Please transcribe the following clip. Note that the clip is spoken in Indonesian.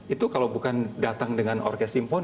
itu kalau bukan datang dengan orkest symphony